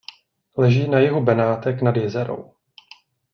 Leží na jihu Benátek nad Jizerou.